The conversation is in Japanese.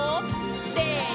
せの！